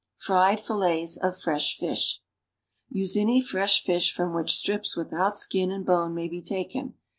FRIED FILLETS OF FRESH FISH Use any fresh fish from which strips without skin and bone ma^y be taken.